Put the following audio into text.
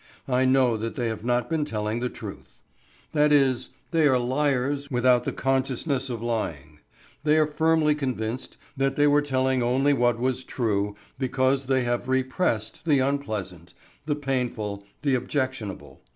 I know that they have not been telling the truth. That is, they are liars without the consciousness of lying. They are firmly convinced that they were telling only what was true, because they have "repressed" the unpleasant, the painful, the objectionable.